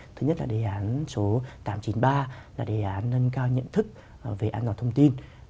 thứ nhất là đề án số tám trăm chín mươi ba là đề án nâng cao nhận thức về an toàn thông tin